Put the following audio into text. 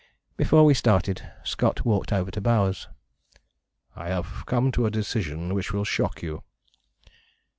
Before we started Scott walked over to Bowers. "I have come to a decision which will shock you."